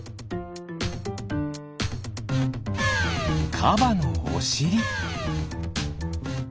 カバのおしり。